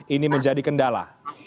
ini menjadi kendala